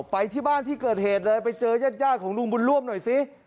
ไปที่บ้านที่เกิดเหตุเลยไปเจอยาดของลุงบุญร่วมหน่อยสิ